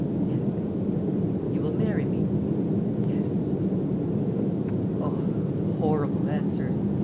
"Yes." "You will marry me?" "Yes." Oh, those horrible answers!